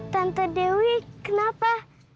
tante dewi kenapa